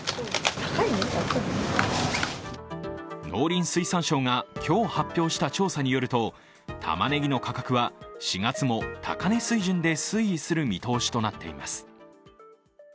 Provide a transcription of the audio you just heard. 農林水産省が今日発表した調査によるとたまねぎの価格は４月も高値水準で推移する見通しとなっています。